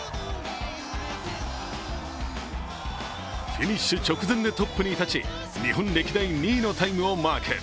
フィニッシュ直前でトップに立ち日本歴代２位のタイムをマーク。